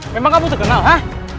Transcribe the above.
memang kamu terkenal ha